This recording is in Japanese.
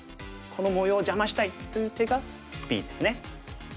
この模様を邪魔したいという手がＢですね。